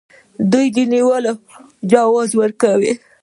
دوی د نیولو جواز ورکوي.